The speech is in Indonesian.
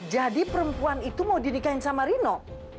jadi perempuan itu mau didikahi sama rino